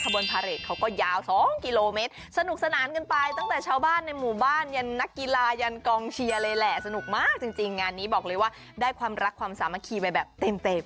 บอกเลยว่าได้ความรักความสามารถคีย์ไปแบบเต็ม